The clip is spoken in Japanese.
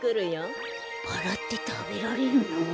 バラってたべられるの？